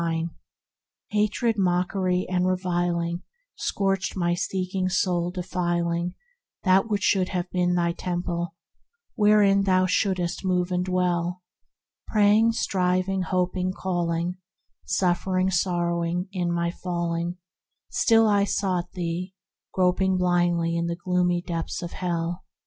E.K 6] 80 ENTERING THE KINGDOM Hatred, mockery, and reviling Scorched my seeking soul, defiling That which should have been thy Temple, wherein thou shouldst move and dwell; Praying, striving, hoping, calling; Suffering, sorrowing in my falling, Still I sought thee, groping blindly in the gloomy depths of hell.